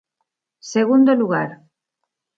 Segundo lugar.